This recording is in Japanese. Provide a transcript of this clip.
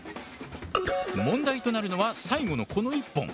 問題となるのは最後のこの１本。